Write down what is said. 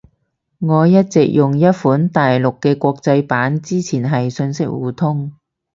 我一直用一款大陸嘅國際版。之前係信息互通